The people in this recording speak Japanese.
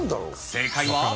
正解は。